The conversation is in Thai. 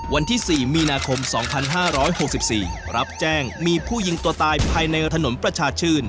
วันที่สี่มีนาคมสองพันห้าร้อยหกสิบสี่รับแจ้งมีผู้ยิงตัวตายภายในถนนประชาชื่น